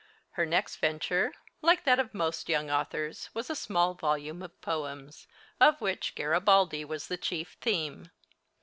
Her next venture, like that of most young authors, was a small volume of poems, of which Garibaldi was the chief theme.